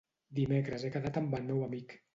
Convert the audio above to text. Dimecres he quedat amb el meu amic.